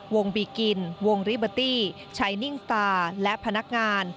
บีกินวงริเบอร์ตี้ชัยนิ่งสตาร์และพนักงาน